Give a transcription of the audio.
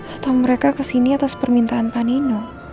atau mereka kesini atas permintaan pak nino